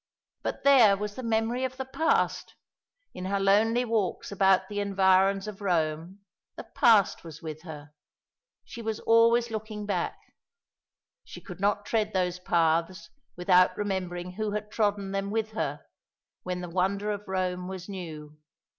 But there was the memory of the past! In her lonely walks about the environs of Rome, the past was with her. She was always looking back. She could not tread those paths without remembering who had trodden them with her when the wonder of Rome was new.